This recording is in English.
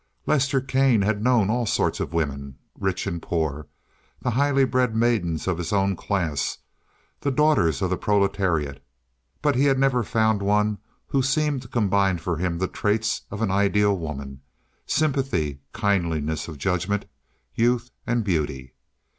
Lester Kane had known all sorts of women, rich and poor, the highly bred maidens of his own class, the daughters of the proletariat, but he had never yet found one who seemed to combine for him the traits of an ideal woman—sympathy, kindliness of judgment, youth, and beauty.